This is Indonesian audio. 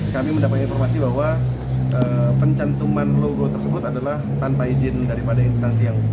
kami mendapatkan informasi bahwa pencantuman logo tersebut adalah tanpa izin daripada instansial